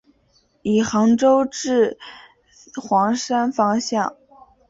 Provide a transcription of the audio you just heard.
以杭州至黄山方向。